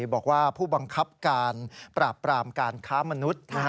บอกว่าผู้บังคับการปราบปรามการค้ามนุษย์